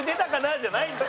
じゃないんだよ。